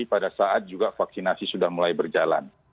pada saat juga vaksinasi sudah mulai berjalan